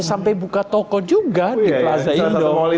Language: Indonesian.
sampai buka toko juga di plaza indo